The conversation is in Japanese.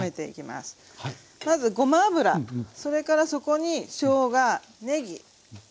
まずごま油それからそこにしょうがねぎ入ってます。